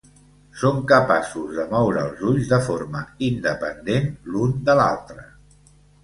Són capaços de moure els ulls de forma independent l'un de l'altre.